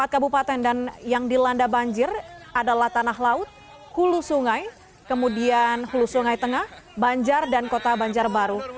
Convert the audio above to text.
empat kabupaten dan yang dilanda banjir adalah tanah laut hulu sungai kemudian hulu sungai tengah banjar dan kota banjarbaru